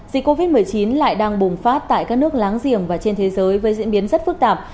dịch covid một mươi chín lại đang bùng phát tại các nước láng giềng và trên thế giới với diễn biến rất phức tạp